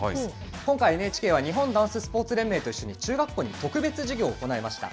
今回、ＮＨＫは日本ダンス連盟と一緒に中学校に特別授業を行いました。